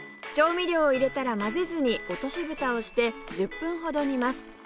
調味料を入れたら混ぜずに落とし蓋をして１０分ほど煮ます